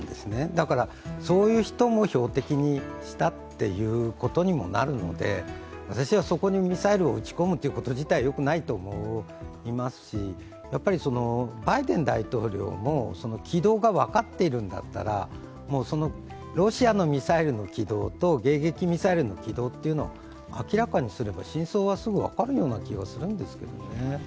だから、そういう人も標的にしたということにもなるので私はそこにミサイルを撃ち込むこと自体よくないと思いますし、やっぱりバイデン大統領も軌道が分かっているんだったらそのロシアのミサイルの軌道と迎撃ミサイルの軌道を明らかにすれば真相はすぐ分かるような気がするんですけどね。